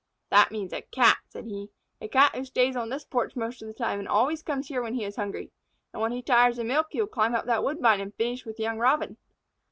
"That means a Cat," said he, "a Cat who stays on this porch most of the time and always comes here when he is hungry. And when he tires of milk he will climb up that woodbine and finish with young Robin.